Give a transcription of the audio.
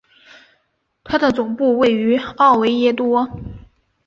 它的总部位于奥维耶多。